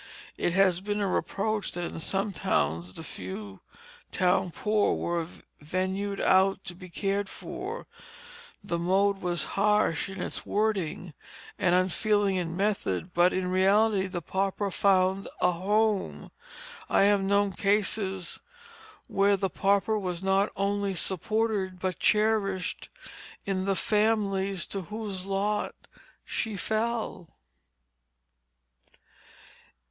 It has been a reproach that in some towns the few town poor were vendued out to be cared for; the mode was harsh in its wording, and unfeeling in method, but in reality the pauper found a home. I have known cases where the pauper was not only supported but cherished in the families to whose lot she fell.